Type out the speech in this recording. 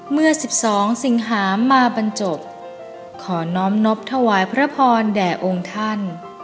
เมื่อ๑๒สิงหามาบรรจบขอน้อมนบถวายพระพรแด่องค์ท่าน